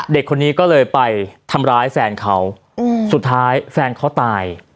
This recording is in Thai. เด็กคนนี้ก็เลยไปทำร้ายแฟนเขาสุดท้ายแฟนเขาตาย